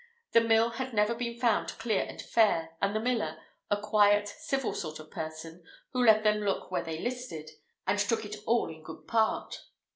The mill had ever been found clear and fair, and the miller, a quiet, civil sort of person, who let them look where they listed, and took it all in good part.